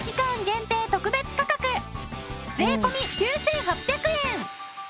限定特別価格税込９８００円。